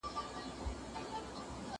خلګ باید دا ضررونه هېر نه کړي.